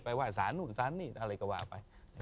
ไปไหว้ศาลหนุนศาลนี่อะไรก็ไหว้ไป